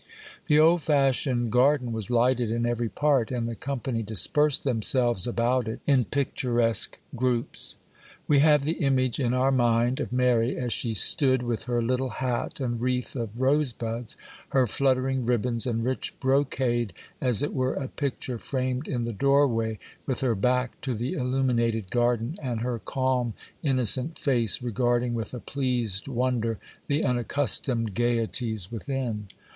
The old fashioned garden was lighted in every part, and the company dispersed themselves about it in picturesque groups. We have the image in our mind of Mary as she stood with her little hat and wreath of rosebuds, her fluttering ribbons and rich brocade, as it were a picture framed in the doorway, with her back to the illuminated garden, and her calm, innocent face regarding with a pleased wonder the unaccustomed gaieties within.